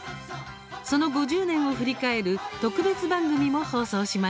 その５０年を振り返る特別番組も放送しました。